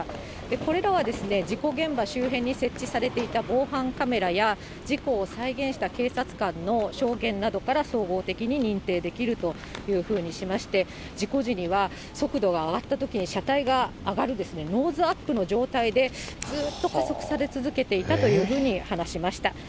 これらは事故現場周辺に設置されていた防犯カメラや、事故を再現した警察官の証言などから総合的に認定できるというふうにしまして、事故時には、速度が上がったときに車体が上がるノーズアップの状態で、ずっと加速され続けていたというふうに話しました。